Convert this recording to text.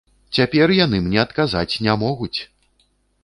Цяпер яны мне адказаць не могуць!